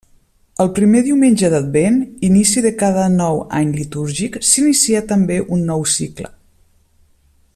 El primer diumenge d'Advent, inici de cada nou any litúrgic, s'inicia també un nou cicle.